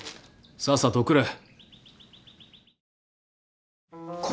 さっさと送れ。